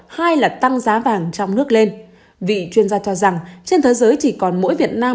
hai là tăng giá vàng trong nước lên vị chuyên gia cho rằng trên thế giới chỉ còn mỗi việt nam